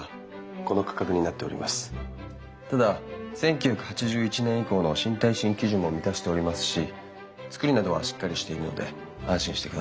ただ１９８１年以降の新耐震基準も満たしておりますし作りなどはしっかりしているので安心してください。